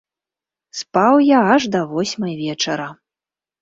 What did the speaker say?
Спаў я аж да восьмай вечара.